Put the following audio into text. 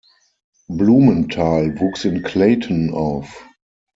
Blumenthal wuchs in Clayton auf.